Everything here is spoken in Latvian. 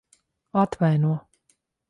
Atvaino.